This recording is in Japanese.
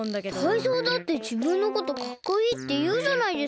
タイゾウだってじぶんのことかっこいいっていうじゃないですか。